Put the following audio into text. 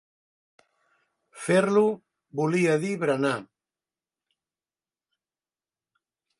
Fer-lo volia dir berenar.